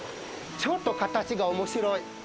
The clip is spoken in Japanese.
ちょっと形がおもしろい。